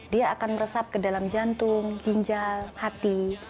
dia akan meresap ke dalam jantung ginjal hati